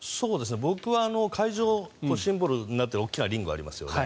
僕は会場シンボルになっている大きなリングありますよね。